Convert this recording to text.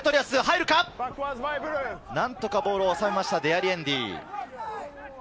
何とかボールを抑えました、デアリエンディ。